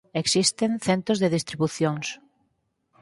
Existen centos de distribucións.